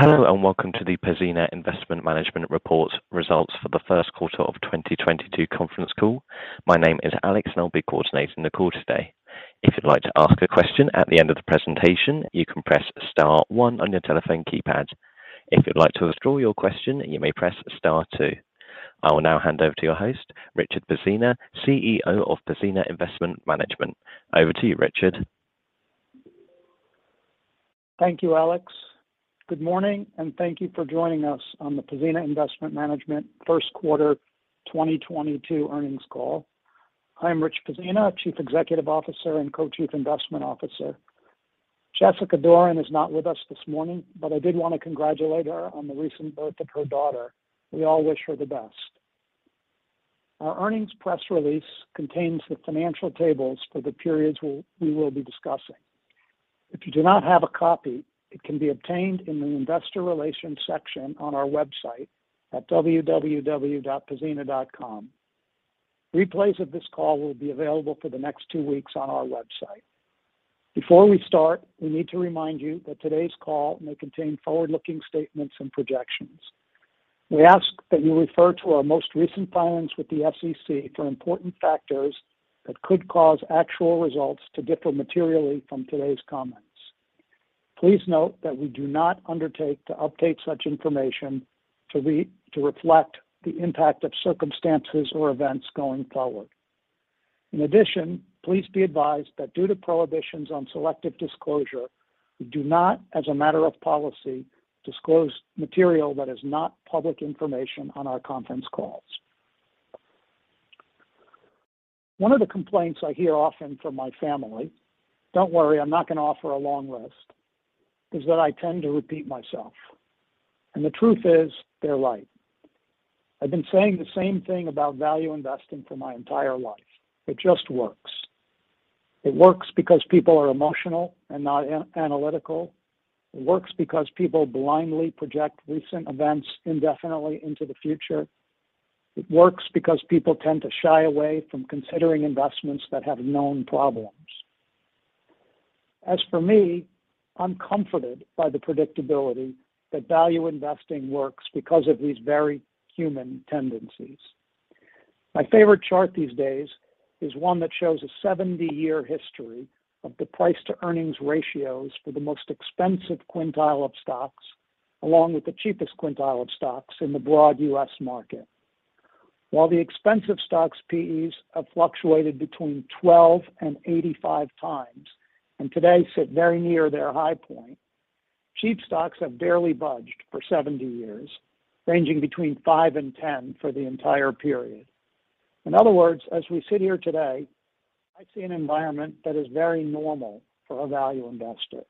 Hello and welcome to the Pzena Investment Management reported results for the first quarter of 2022 conference call. My name is Alex and I'll be coordinating the call today. If you'd like to ask a question at the end of the presentation, you can press star one on your telephone keypad. If you'd like to withdraw your question, you may press star two. I will now hand over to your host, Richard Pzena, CEO of Pzena Investment Management. Over to you, Richard. Thank you, Alex. Good morning, and thank you for joining us on the Pzena Investment Management first quarter 2022 earnings call. I'm Richard Pzena, Chief Executive Officer and Co-Chief Investment Officer. Jessica Doran is not with us this morning, but I did wanna congratulate her on the recent birth of her daughter. We all wish her the best. Our earnings press release contains the financial tables for the periods we will be discussing. If you do not have a copy, it can be obtained in the investor relations section on our website at www.pzena.com. Replays of this call will be available for the next two weeks on our website. Before we start, we need to remind you that today's call may contain forward-looking statements and projections. We ask that you refer to our most recent filings with the SEC for important factors that could cause actual results to differ materially from today's comments. Please note that we do not undertake to update such information to reflect the impact of circumstances or events going forward. In addition, please be advised that due to prohibitions on selective disclosure, we do not, as a matter of policy, disclose material that is not public information on our conference calls. One of the complaints I hear often from my family, don't worry, I'm not gonna offer a long list, is that I tend to repeat myself. The truth is, they're right. I've been saying the same thing about value investing for my entire life. It just works. It works because people are emotional and not analytical. It works because people blindly project recent events indefinitely into the future. It works because people tend to shy away from considering investments that have known problems. As for me, I'm comforted by the predictability that value investing works because of these very human tendencies. My favorite chart these days is one that shows a 70-year history of the price-to-earnings ratios for the most expensive quintile of stocks, along with the cheapest quintile of stocks in the broad U.S. market. While the expensive stocks PEs have fluctuated between 12x and 85x, and today sit very near their high point, cheap stocks have barely budged for 70 years, ranging between 5x and 10x for the entire period. In other words, as we sit here today, I see an environment that is very normal for a value investor.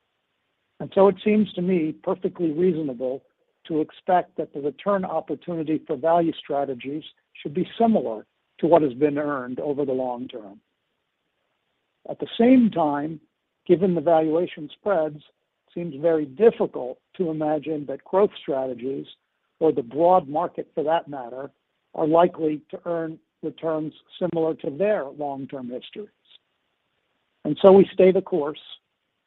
It seems to me perfectly reasonable to expect that the return opportunity for value strategies should be similar to what has been earned over the long term. At the same time, given the valuation spreads, seems very difficult to imagine that growth strategies, or the broad market for that matter, are likely to earn returns similar to their long-term histories. We stay the course,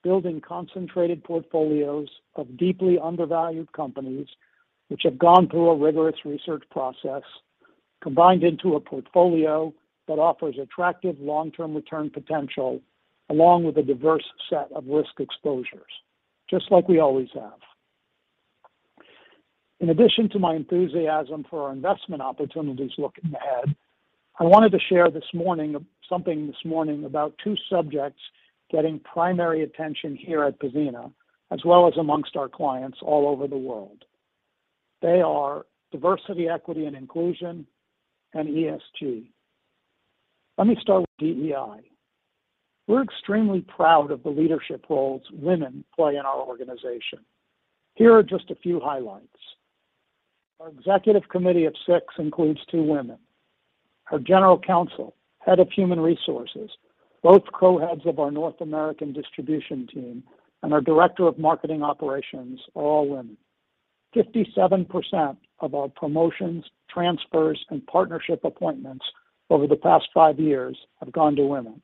building concentrated portfolios of deeply undervalued companies, which have gone through a rigorous research process, combined into a portfolio that offers attractive long-term return potential, along with a diverse set of risk exposures, just like we always have. In addition to my enthusiasm for our investment opportunities looking ahead, I wanted to share this morning, something this morning about two subjects getting primary attention here at Pzena, as well as amongst our clients all over the world. They are diversity, equity, and inclusion, and ESG. Let me start with DEI. We're extremely proud of the leadership roles women play in our organization. Here are just a few highlights. Our executive committee of six includes two women. Our general counsel, head of human resources, both co-heads of our North American distribution team, and our director of marketing operations are all women. 57% of our promotions, transfers, and partnership appointments over the past five years have gone to women.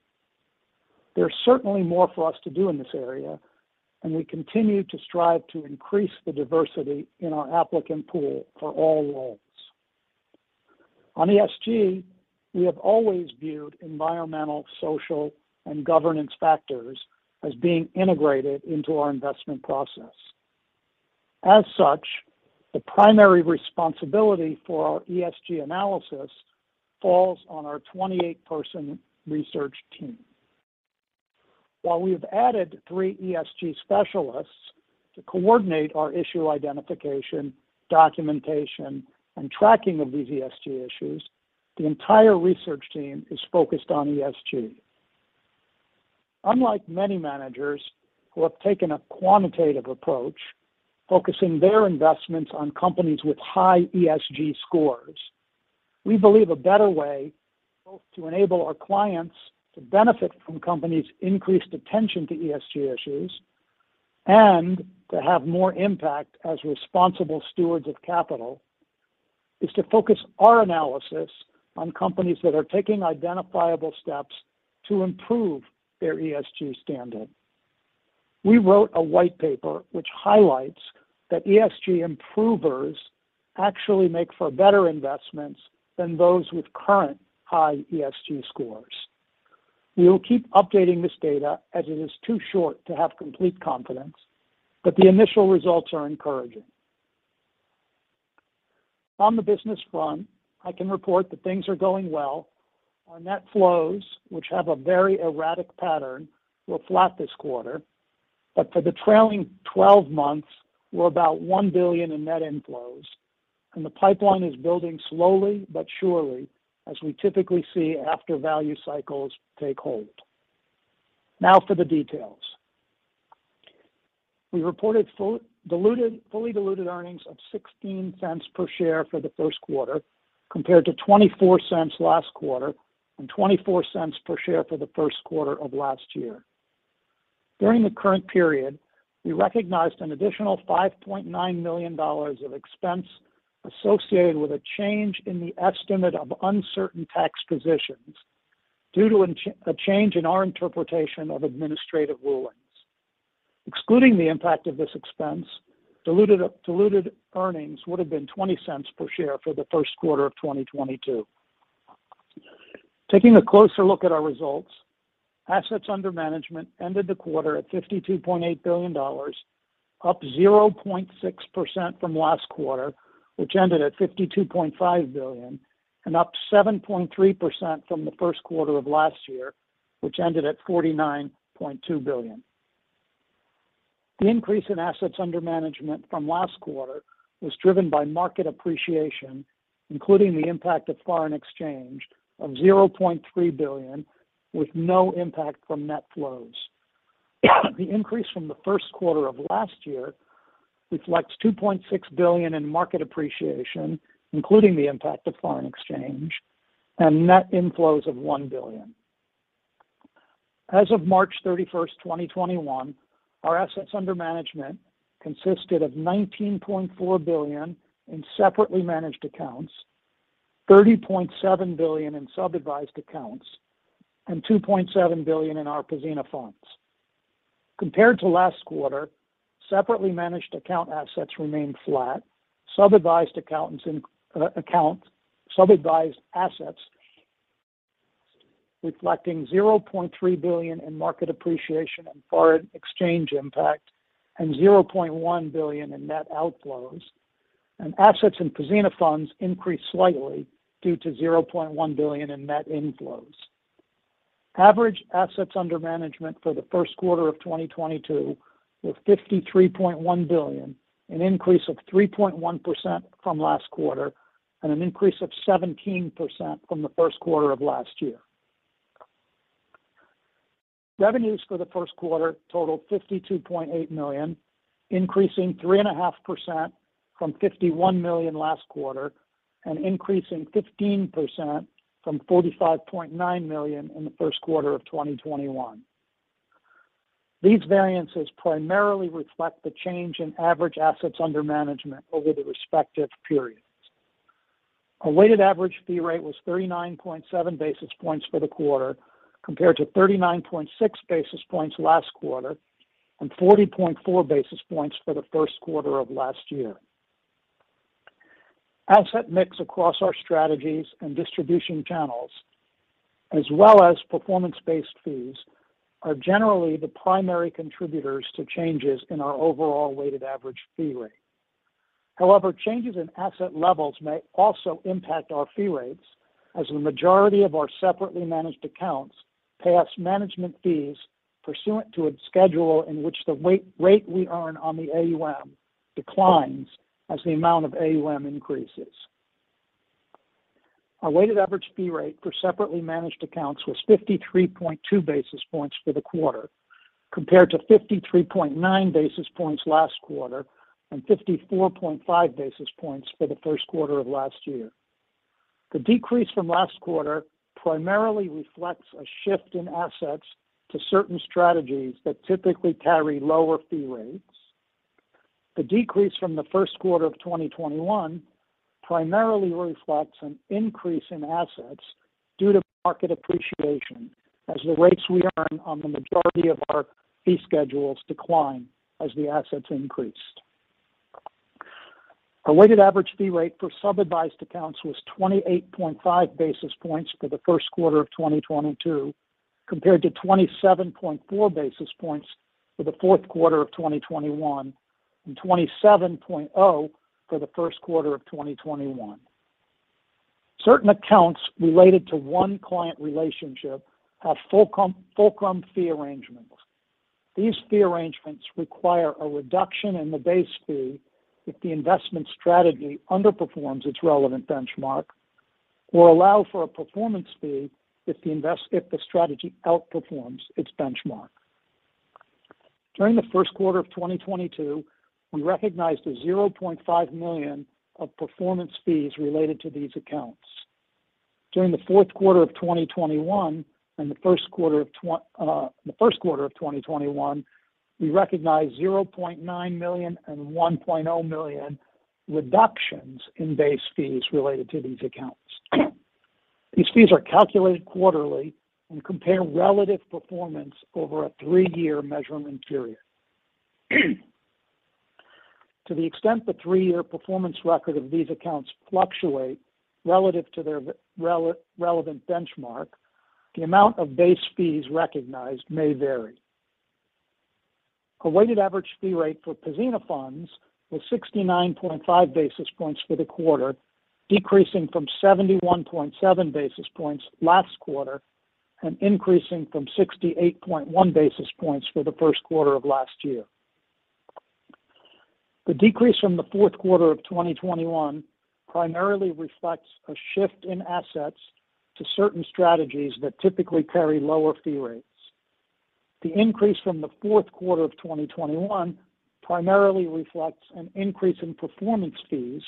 There's certainly more for us to do in this area, and we continue to strive to increase the diversity in our applicant pool for all roles. On ESG, we have always viewed environmental, social, and governance factors as being integrated into our investment process. As such, the primary responsibility for our ESG analysis falls on our 28-person research team. While we have added three ESG specialists to coordinate our issue identification, documentation, and tracking of these ESG issues, the entire research team is focused on ESG. Unlike many managers who have taken a quantitative approach, focusing their investments on companies with high ESG scores, we believe a better way both to enable our clients to benefit from companies' increased attention to ESG issues and to have more impact as responsible stewards of capital is to focus our analysis on companies that are taking identifiable steps to improve their ESG standing. We wrote a white paper which highlights that ESG improvers actually make for better investments than those with current high ESG scores. We will keep updating this data as it is too short to have complete confidence, but the initial results are encouraging. On the business front, I can report that things are going well. Our net flows, which have a very erratic pattern, were flat this quarter. For the trailing 12 months, we're about $1 billion in net inflows, and the pipeline is building slowly but surely, as we typically see after value cycles take hold. Now for the details. We reported fully diluted earnings of $0.16 per share for the first quarter, compared to $0.24 last quarter and $0.24 per share for the first quarter of last year. During the current period, we recognized an additional $5.9 million of expense associated with a change in the estimate of uncertain tax positions due to a change in our interpretation of administrative rulings. Excluding the impact of this expense, diluted earnings would have been $0.20 per share for the first quarter of 2022. Taking a closer look at our results, assets under management ended the quarter at $52.8 billion, up 0.6% from last quarter, which ended at $52.5 billion, and up 7.3% from the first quarter of last year, which ended at $49.2 billion. The increase in assets under management from last quarter was driven by market appreciation, including the impact of foreign exchange of $0.3 billion, with no impact from net flows. The increase from the first quarter of last year reflects $2.6 billion in market appreciation, including the impact of foreign exchange and net inflows of $1 billion. As of March 31st, 2021, our assets under management consisted of $19.4 billion in separately managed accounts, $30.7 billion in sub-advised accounts, and $2.7 billion in our Pzena Funds. Compared to last quarter, separately managed accounts assets remained flat. Sub-advised accounts assets reflecting $0.3 billion in market appreciation and foreign exchange impact and $0.1 billion in net outflows. Assets in Pzena Funds increased slightly due to $0.1 billion in net inflows. Average assets under management for the first quarter of 2022 were $53.1 billion, an increase of 3.1% from last quarter and an increase of 17% from the first quarter of last year. Revenues for the first quarter totaled $52.8 million, increasing 3.5% from $51 million last quarter and increasing 15% from $45.9 million in the first quarter of 2021. These variances primarily reflect the change in average assets under management over the respective periods. A weighted average fee rate was 39.7 basis points for the quarter, compared to 39.6 basis points last quarter and 40.4 basis points for the first quarter of last year. Asset mix across our strategies and distribution channels, as well as performance-based fees, are generally the primary contributors to changes in our overall weighted average fee rate. However, changes in asset levels may also impact our fee rates as the majority of our separately managed accounts pay us management fees pursuant to a schedule in which the rate we earn on the AUM declines as the amount of AUM increases. Our weighted average fee rate for separately managed accounts was 53.2 basis points for the quarter, compared to 53.9 basis points last quarter and 54.5 basis points for the first quarter of last year. The decrease from last quarter primarily reflects a shift in assets to certain strategies that typically carry lower fee rates. The increase from the first quarter of 2021 primarily reflects an increase in assets due to market appreciation as the rates we earn on the majority of our fee schedules decline as the assets increased. Our weighted average fee rate for sub-advised accounts was 28.5 basis points for the first quarter of 2022, compared to 27.4 basis points for the fourth quarter of 2021 and 27.0 for the first quarter of 2021. Certain accounts related to one client relationship have fulcrum fee arrangements. These fee arrangements require a reduction in the base fee if the investment strategy underperforms its relevant benchmark or allow for a performance fee if the strategy outperforms its benchmark. During the first quarter of 2022, we recognized $0.5 million of performance fees related to these accounts. During the fourth quarter of 2021 and the first quarter of 2021, we recognized $0.9 million and $1.0 million reductions in base fees related to these accounts. These fees are calculated quarterly and compare relative performance over a three-year measurement period. To the extent the three-year performance record of these accounts fluctuate relative to their relevant benchmark, the amount of base fees recognized may vary. A weighted average fee rate for Pzena Funds was 69.5 basis points for the quarter, decreasing from 71.7 basis points last quarter and increasing from 68.1 basis points for the first quarter of last year. The decrease from the fourth quarter of 2021 primarily reflects a shift in assets to certain strategies that typically carry lower fee rates. The increase from the fourth quarter of 2021 primarily reflects an increase in performance fees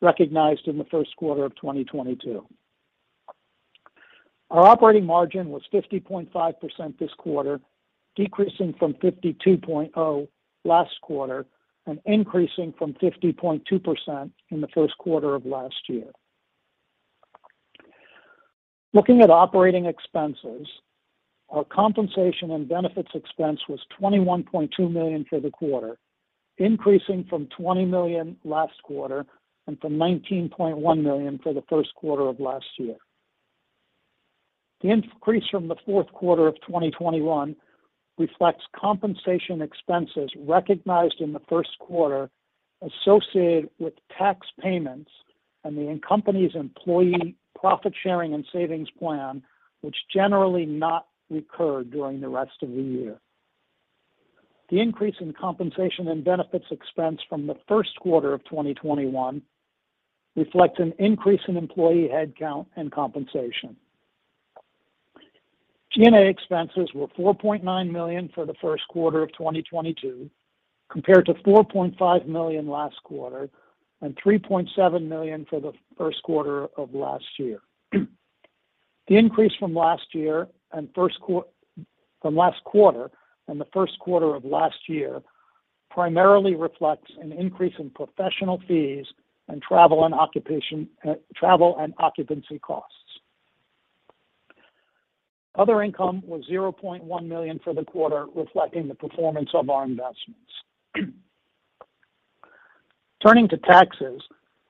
recognized in the first quarter of 2022. Our operating margin was 50.5% this quarter, decreasing from 52.0% last quarter and increasing from 50.2% in the first quarter of last year. Looking at operating expenses, our compensation and benefits expense was $21.2 million for the quarter, increasing from $20 million last quarter and from $19.1 million for the first quarter of last year. The increase from the fourth quarter of 2021 reflects compensation expenses recognized in the first quarter associated with tax payments and the company's employee profit sharing and savings plan, which generally do not recur during the rest of the year. The increase in compensation and benefits expense from the first quarter of 2021 reflects an increase in employee headcount and compensation. G&A expenses were $4.9 million for the first quarter of 2022, compared to $4.5 million last quarter and $3.7 million for the first quarter of last year. The increase from last year and from last quarter and the first quarter of last year primarily reflects an increase in professional fees and travel and occupancy costs. Other income was $0.1 million for the quarter, reflecting the performance of our investments. Turning to taxes,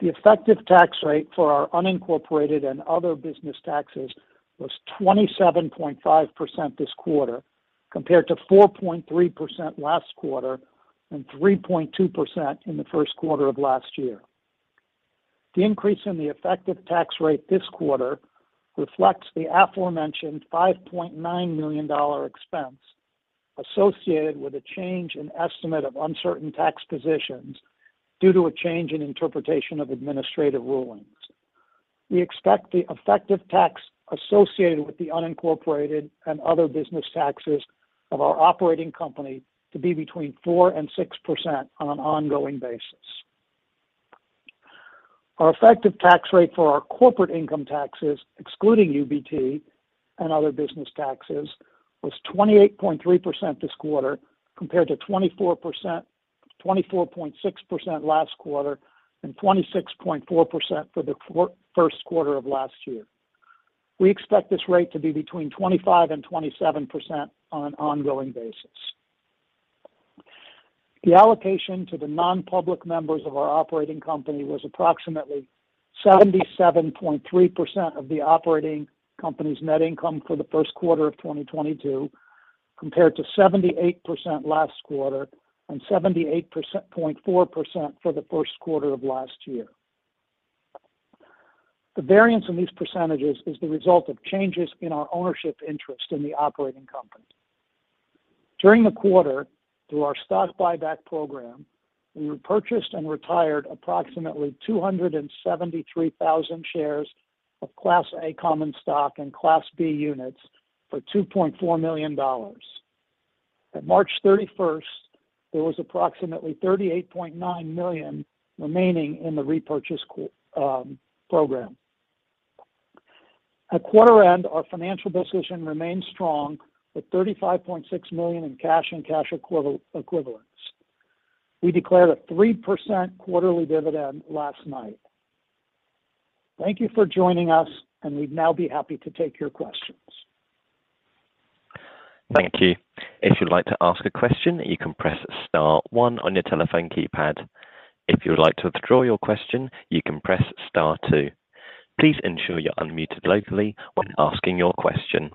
the effective tax rate for our unincorporated and other business taxes was 27.5% this quarter, compared to 4.3% last quarter and 3.2% in the first quarter of last year. The increase in the effective tax rate this quarter reflects the aforementioned $5.9 million expense associated with a change in estimate of uncertain tax positions due to a change in interpretation of administrative rulings. We expect the effective tax associated with the unincorporated and other business taxes of our operating company to be between 4%-6% on an ongoing basis. Our effective tax rate for our corporate income taxes, excluding UBT and other business taxes, was 28.3% this quarter, compared to 24.6% last quarter and 26.4% for the first quarter of last year. We expect this rate to be between 25% and 27% on an ongoing basis. The allocation to the non-public members of our operating company was approximately 77.3% of the operating company's net income for the first quarter of 2022, compared to 78% last quarter and 78.4% for the first quarter of last year. The variance in these percentages is the result of changes in our ownership interest in the operating company. During the quarter, through our stock buyback program, we repurchased and retired approximately 273,000 shares of Class A common stock and Class B units for $2.4 million. At March 31st, there was approximately $38.9 million remaining in the repurchase program. At quarter end, our financial position remains strong with $35.6 million in cash and cash equivalents. We declared a 3% quarterly dividend last night. Thank you for joining us, and we'd now be happy to take your questions. Thank you. If you'd like to ask a question, you can press star one on your telephone keypad. If you would like to withdraw your question, you can press star two. Please ensure you're unmuted locally when asking your question.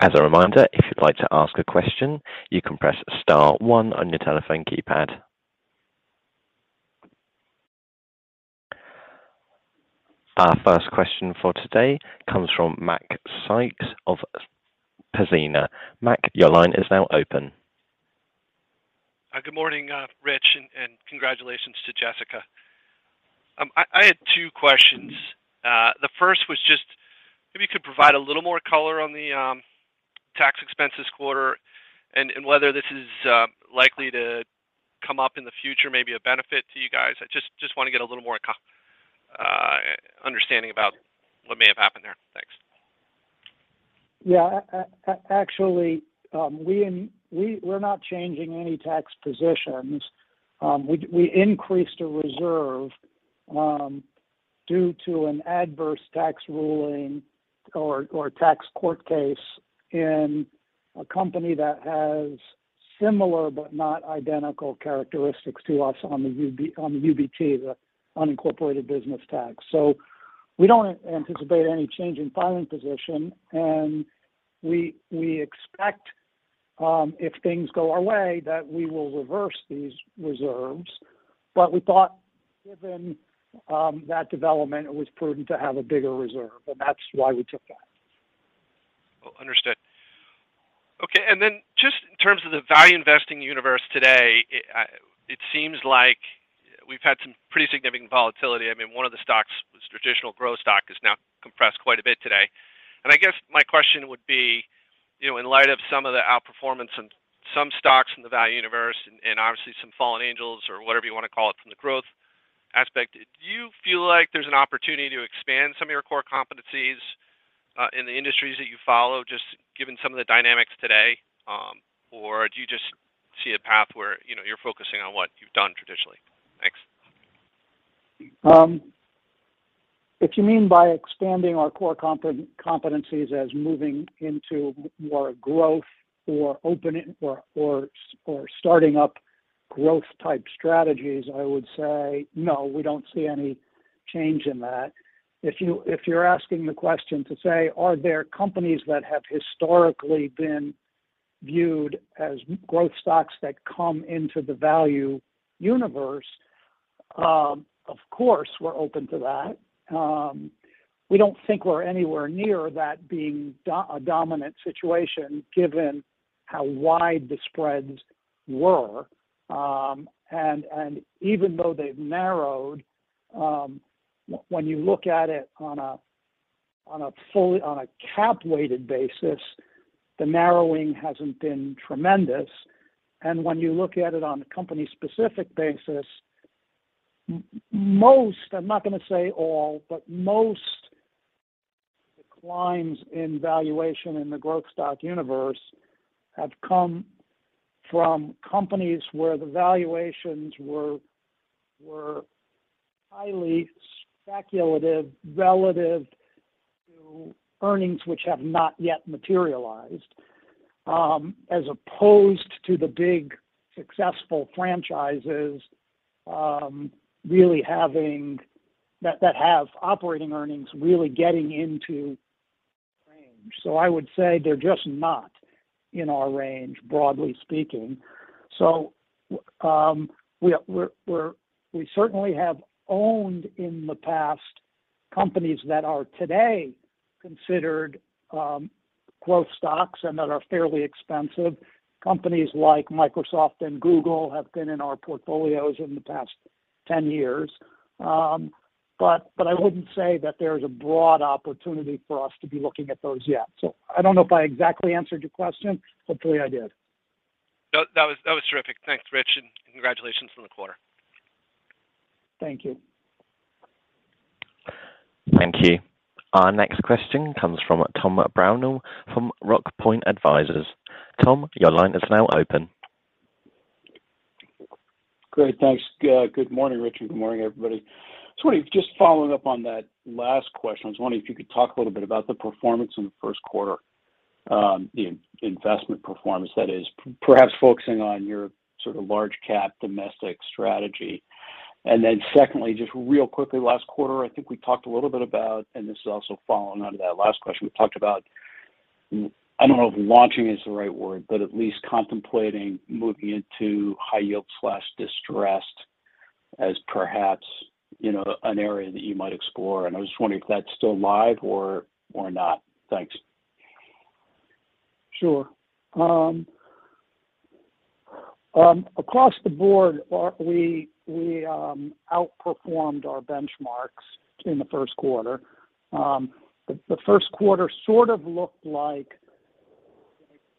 As a reminder, if you'd like to ask a question, you can press star one on your telephone keypad. Our first question for today comes from Macrae Sykes of Pzena. Mac, your line is now open. Good morning, Rich, and congratulations to Jessica. I had two questions. The first was just if you could provide a little more color on the tax expense this quarter and whether this is likely to come up in the future, maybe a benefit to you guys. I just wanna get a little more understanding about what may have happened there. Thanks. Yeah. Actually, we're not changing any tax positions. We increased a reserve due to an adverse tax ruling or tax court case in a company that has similar but not identical characteristics to us on the UBT, the unincorporated business tax. We don't anticipate any change in filing position, and we expect, if things go our way, that we will reverse these reserves. We thought given that development, it was prudent to have a bigger reserve, and that's why we took that. Understood. Okay, and then just in terms of the value investing universe today, it seems like we've had some pretty significant volatility. I mean, one of the stocks was traditional growth stock is now compressed quite a bit today. I guess my question would be, you know, in light of some of the outperformance in some stocks in the value universe and obviously some fallen angels or whatever you wanna call it from the growth aspect, do you feel like there's an opportunity to expand some of your core competencies in the industries that you follow, just given some of the dynamics today, or do you just see a path where, you know, you're focusing on what you've done traditionally? Thanks. If you mean by expanding our core competencies as moving into more growth or opening or starting up growth type strategies, I would say no, we don't see any change in that. If you're asking the question to say, are there companies that have historically been viewed as growth stocks that come into the value universe? Of course, we're open to that. We don't think we're anywhere near that being a dominant situation given how wide the spreads were. Even though they've narrowed, when you look at it on a full cap weighted basis, the narrowing hasn't been tremendous. When you look at it on a company specific basis, I'm not gonna say all, but most declines in valuation in the growth stock universe have come from companies where the valuations were highly speculative relative to earnings, which have not yet materialized, as opposed to the big successful franchises that have operating earnings really getting into range. I would say they're just not in our range, broadly speaking. We certainly have owned, in the past, companies that are today considered growth stocks and that are fairly expensive. Companies like Microsoft and Google have been in our portfolios in the past 10 years. But I wouldn't say that there's a broad opportunity for us to be looking at those yet. I don't know if I exactly answered your question. Hopefully I did. No, that was terrific. Thanks, Rich, and congratulations on the quarter. Thank you. Thank you. Our next question comes from Tom Brownell from Rock Point Advisors. Tom, your line is now open. Great. Thanks. Good morning, Richard. Good morning, everybody. I was wondering, just following up on that last question, I was wondering if you could talk a little bit about the performance in the first quarter, the investment performance that is, perhaps focusing on your sort of large cap domestic strategy. Then secondly, just real quickly, last quarter, I think we talked a little bit about, and this is also following on to that last question, we talked about, I don't know if launching is the right word, but at least contemplating moving into high yield/distressed as perhaps, you know, an area that you might explore. I was just wondering if that's still live or not. Thanks. Sure. Across the board, we outperformed our benchmarks in the first quarter. The first quarter sort of looked like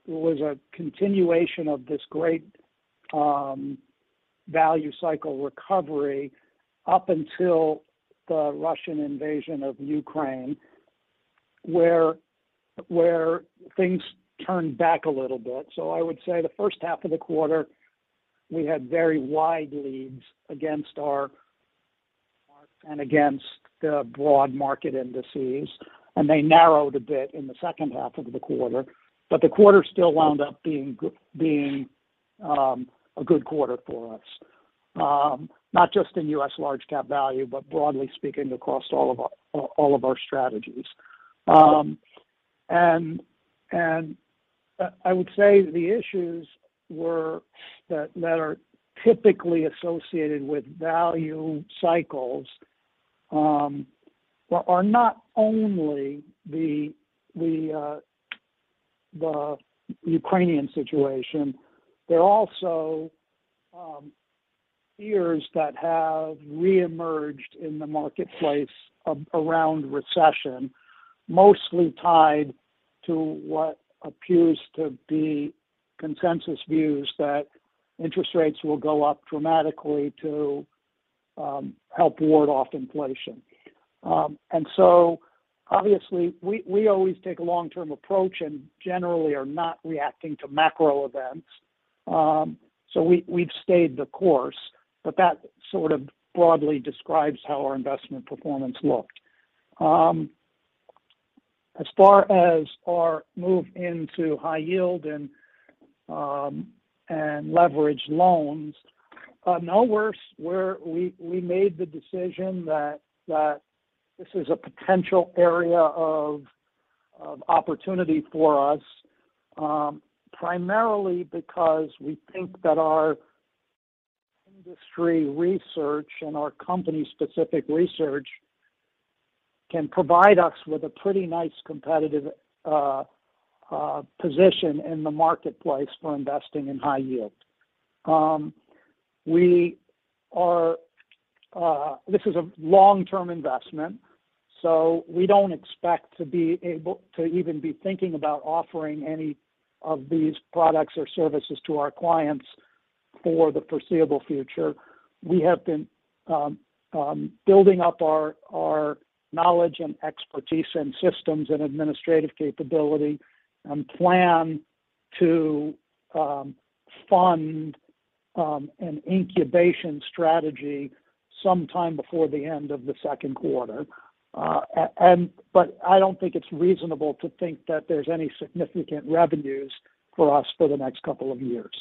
it was a continuation of this great value cycle recovery up until the Russian invasion of Ukraine, where things turned back a little bit. I would say the first half of the quarter, we had very wide leads against our and against the broad market indices, and they narrowed a bit in the second half of the quarter. The quarter still wound up being a good quarter for us, not just in U.S. large cap value, but broadly speaking across all of our strategies. I would say the issues that are typically associated with value cycles are not only the Ukrainian situation. There are also fears that have reemerged in the marketplace around recession, mostly tied to what appears to be consensus views that interest rates will go up dramatically to help ward off inflation. Obviously, we always take a long-term approach and generally are not reacting to macro events. We've stayed the course, but that sort of broadly describes how our investment performance looked. As far as our move into high yield and leveraged loans, no, we made the decision that this is a potential area of opportunity for us, primarily because we think that our industry research and our company-specific research can provide us with a pretty nice competitive position in the marketplace for investing in high yield. We are. This is a long-term investment, so we don't expect to be able to even be thinking about offering any of these products or services to our clients for the foreseeable future. We have been building up our knowledge and expertise and systems and administrative capability and plan to fund an incubation strategy sometime before the end of the second quarter. I don't think it's reasonable to think that there's any significant revenues for us for the next couple of years.